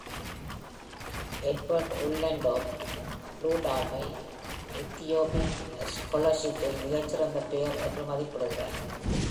Edward Ullendorff லுடால்பை "Ethiopic ஸ்காலர்ஷிப்பில் மிகச் சிறந்த பெயர்" என்று மதிப்பிடுகிறார்.